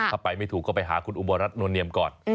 ถ้าไปไม่ถูกก็ไปหาคุณอุบรัฐนวลเนียมก่อน